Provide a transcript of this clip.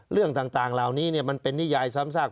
เรื่องต่างเหล่านี้มันเป็นนิยายซ้ำซาก